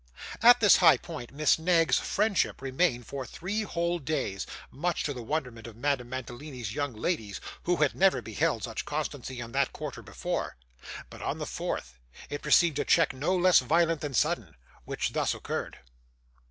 At this high point, Miss Knag's friendship remained for three whole days, much to the wonderment of Madame Mantalini's young ladies who had never beheld such constancy in that quarter, before; but on the fourth, it received a check no less violent than sudden, which thus occurred.